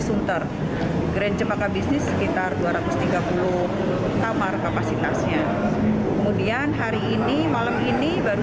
sunter grand cempaka bisnis sekitar dua ratus tiga puluh kamar kapasitasnya kemudian hari ini malam ini baru